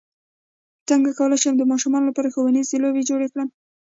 څنګه کولی شم د ماشومانو لپاره ښوونیزې لوبې جوړې کړم